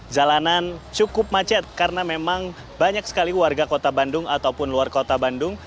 jalanan cukup macet karena memang banyak sekali warga kota bandung ataupun luar kota bandung